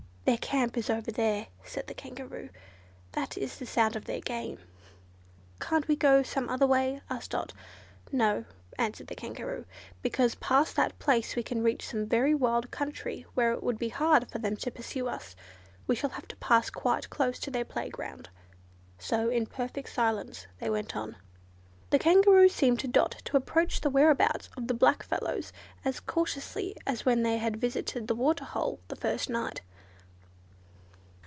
"Their camp is over there," said the Kangaroo, "that is the sound of their game." "Can't we go some other way?" asked Dot. "No," answered the Kangaroo, "because past that place we can reach some very wild country where it would be hard for them to pursue us. We shall have to pass quite close to their playground." So in perfect silence they went on. The Kangaroo seemed to Dot to approach the whereabouts of the black fellows as cautiously as when they had visited the water hole the first night.